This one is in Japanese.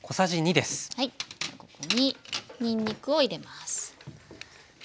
ここににんにくを入れます。